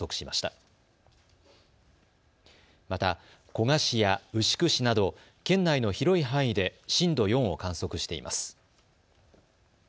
また古河市や牛久市など県内の広い範囲で震度４を観測しています。